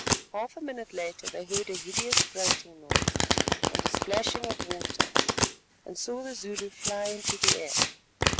Half a minute later they heard a hideous grunting noise and a splashing of water, and saw the Zulu fly into the air.